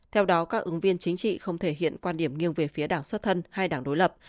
theo đó các ứng viên chính trị không thể hiện quan điểm nghiêng về phía đảng xuất thân hai đảng đối lập